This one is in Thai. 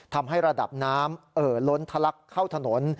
ทำให้ระดับน้ำเอ่อล้นทะลักเข้าถนน